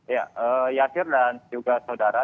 ya yashir dan juga saudara